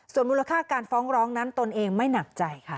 ส่วนมูลค่าการฟ้องร้องนั้นตนเองไม่หนักใจค่ะ